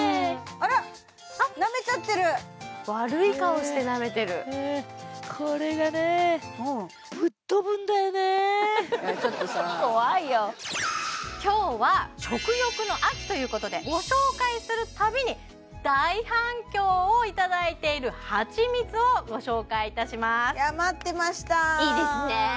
あらっなめちゃってる悪い顔してなめてるちょっとさ怖いよ今日は食欲の秋ということでご紹介するたびに大反響をいただいているはちみつをご紹介いたしますいや待ってましたいいですね